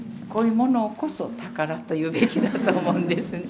こういうものをこそ宝と言うべきだと思うんです。